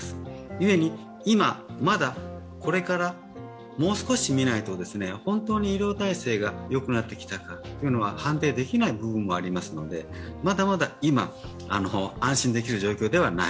ゆえに今、まだこれから、もう少し見ないと本当に医療体制が良くなってきたかっていうのは判定できない部分もありますので、まだまだ今、安心できる状況ではない。